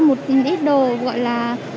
một ít đồ gọi là